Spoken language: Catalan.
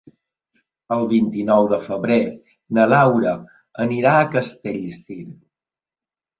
El vint-i-nou de febrer na Laura anirà a Castellcir.